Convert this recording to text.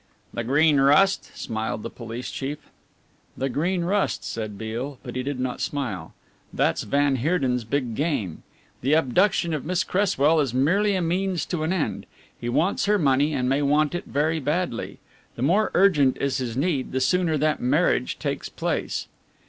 "The Green Rust?" smiled the police chief. "The Green Rust," said Beale, but he did not smile, "that's van Heerden's big game. The abduction of Miss Cresswell is merely a means to an end. He wants her money and may want it very badly. The more urgent is his need the sooner that marriage takes place."